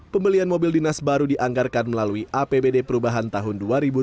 pembelian mobil dinas baru dianggarkan melalui apbd perubahan tahun dua ribu delapan belas